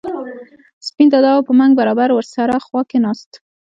سپین دادا او په منګ برابر ور سره خوا کې کېناست.